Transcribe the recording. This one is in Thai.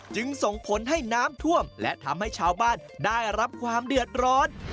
จึงส่งผลให้น้ำท่วมและทำให้ชาวบ้านได้รับความเดือดร้อน